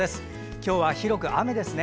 今日は広く雨ですね。